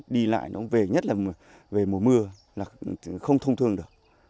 đi lại nó về nhất là về mùa mưa là không thông thường được